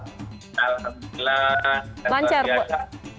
alhamdulillah lancar puasanya